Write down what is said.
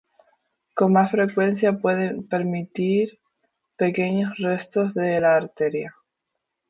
Con más frecuencia pueden permanecer pequeños restos de la arteria.